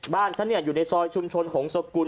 บ้านฉันอยู่ในซอยชุมชนหงศกุล